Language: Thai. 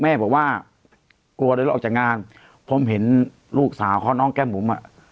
แม่บอกว่ากลัวเดินออกจากงานผมเห็นลูกสาวเขาน้องแก้มบุ๋มอ่ะ